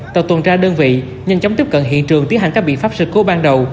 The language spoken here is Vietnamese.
tàu tuần tra đơn vị nhanh chóng tiếp cận hiện trường tiến hành các biện pháp sự cố ban đầu